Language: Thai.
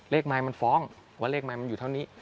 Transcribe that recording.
ไมค์มันฟ้องว่าเลขไมค์มันอยู่เท่านี้